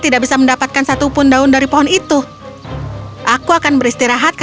ibu dan kedua putrinya berkata